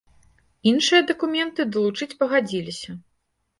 Іншыя дакументы далучыць пагадзілася.